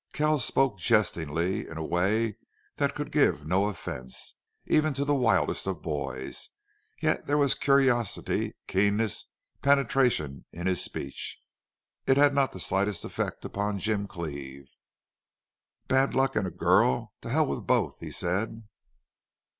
Kells spoke jestingly, in a way that could give no offense, even to the wildest of boys, yet there was curiosity, keenness, penetration, in his speech. It had not the slightest effect upon Jim Cleve. "Bad luck and a girl?... To hell with both!" he said.